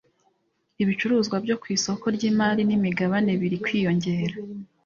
ibicuruzwa byo ku isoko ry’imari n’imigabane biri kwiyongera